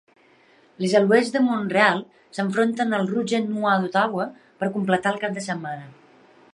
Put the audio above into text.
Les Alouettes de Mont-real s'enfronten als Rouge et Noir d'Ottawa per completar el cap de setmana.